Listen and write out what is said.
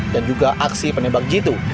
dan juga aksi penembak jitu